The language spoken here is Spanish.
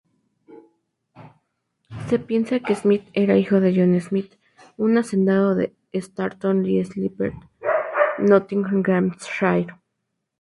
Se piensa que Smyth era hijo de John Smyth, un hacendado de Sturton-le-Steeple, Nottinghamshire.